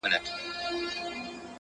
هغه به څرنګه بلا وویني.